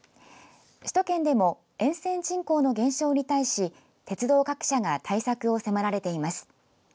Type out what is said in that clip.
首都圏でも沿線人口の減少に対し鉄道各社が対策を迫られています。